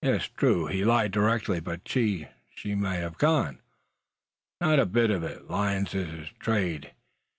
"Yes, true; he lied directly; but she she might have gone " "Not a bit o' it. Lyin's his trade.